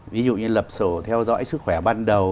ví dụ như lập sổ theo dõi sức khỏe ban đầu